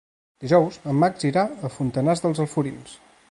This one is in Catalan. Dijous en Max irà a Fontanars dels Alforins.